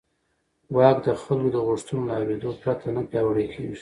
واک د خلکو د غوښتنو له اورېدو پرته نه پیاوړی کېږي.